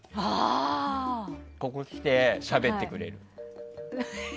ここ来てしゃべってくれる。